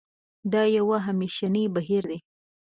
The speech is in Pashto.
دا یو همېشنی بهیر دی.